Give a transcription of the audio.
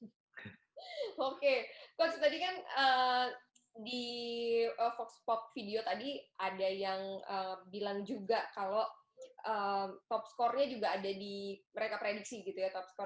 coach tadi kan di fox pop video tadi ada yang bilang juga kalau top score nya juga ada di mereka prediksi gitu ya